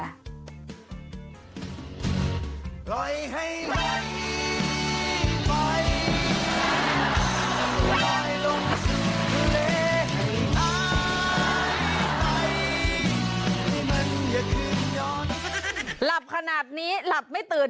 เหลหายไป